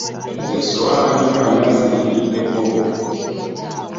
Ezo essowaani ani aziriiriddeko?